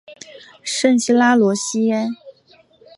圣西拉罗西埃。